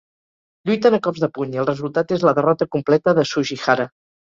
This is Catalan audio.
Lluiten a cops de puny, i el resultat és la derrota completa de Sugihara.